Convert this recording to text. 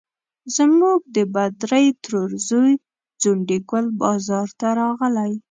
زموږ د بدرۍ ترور زوی ځونډي ګل بازار ته راغلی.